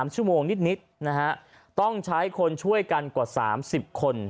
๓ชั่วโมงนิดนะฮะต้องใช้คนช่วยกันกว่า๓๐คน